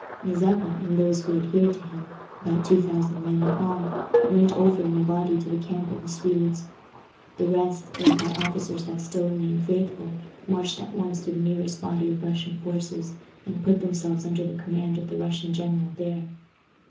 Mazeppa and those who adhered to him about two thousand men in all went over in a body to the camp of the Swedes. The rest, led by the officers that still remained faithful, marched at once to the nearest body of Russian forces, and put themselves under the command of the Russian general there.